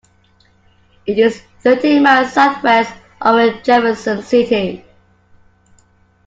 It is thirty miles southwest of Jefferson City.